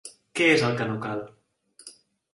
Què és el que no cal?